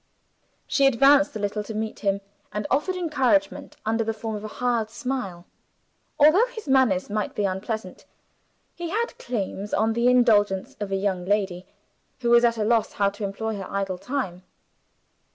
She advanced a little to meet him, and offered encouragement under the form of a hard smile. Although his manners might be unpleasant, he had claims on the indulgence of a young lady, who was at a loss how to employ her idle time.